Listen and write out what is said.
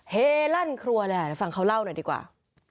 เฮลั่นครัวเลยฟังเขาเล่าหน่อยดีกว่า